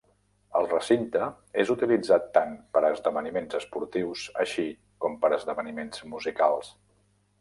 El recinte és utilitzat tant per a esdeveniments esportius així com per a esdeveniments musicals.